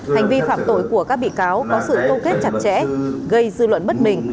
hành vi phạm tội của các bị cáo có sự câu kết chặt chẽ gây dư luận bất bình